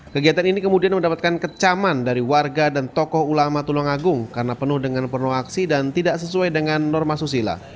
kegiatan ini kemudian mendapatkan kecaman dari warga dan tokoh ulama tulungagung karena penuh dengan penuh aksi dan tidak sesuai dengan norma susila